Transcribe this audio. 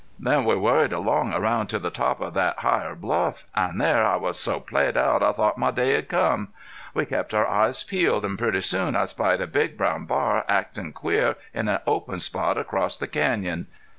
Then we worried along around to the top of thet higher bluff an' there I was so played out I thought my day had come. We kept our eyes peeled, an' pretty soon I spied a big brown bar actin' queer in an open spot across the canyon.